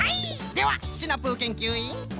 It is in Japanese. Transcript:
ではシナプーけんきゅういん！